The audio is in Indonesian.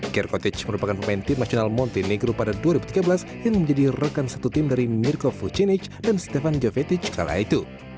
kir coutage merupakan pemain tim nasional montenegro pada dua ribu tiga belas yang menjadi rekan satu tim dari mirko fujinic dan stefan jovetic kala itu